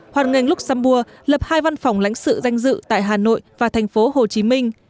hoàn ngành luxembourg lập hai văn phòng lãnh sự danh dự tại hà nội và thành phố hồ chí minh